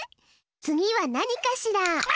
つぎはなにかしら？